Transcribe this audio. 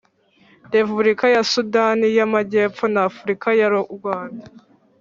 Repubulika ya Sudani y Amajyepfo na Repubulika y u rwanda